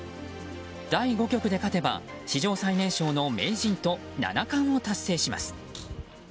第５局で勝てば史上最年少の名人と七冠を達成します。